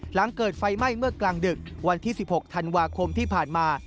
หลังเกิดไฟไหม้เมื่อกลางดึกวันที่๑๖ธันวาคมที่ผ่านมา